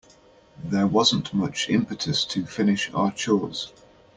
There wasn't much impetus to finish our chores.